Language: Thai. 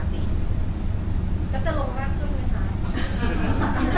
แล้วจะลงมากขึ้นไหมคะ